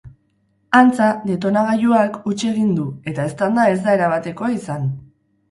Antza, detonagailuak huts egin du eta eztanda ez da erabatekoa izan.